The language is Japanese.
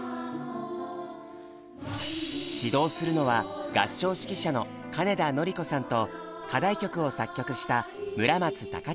指導するのは合唱指揮者の金田典子さんと課題曲を作曲した村松崇継さん。